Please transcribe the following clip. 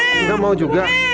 gendo mau juga